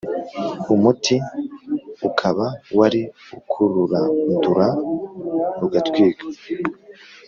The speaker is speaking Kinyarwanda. umuti ukaba wari ukururandura rugatwikwa